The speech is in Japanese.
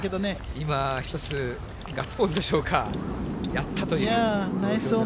今、一つ、ガッツポーズでしょうか、やったという。